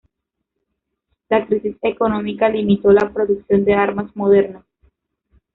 La crisis económica limitó la producción de armas modernas.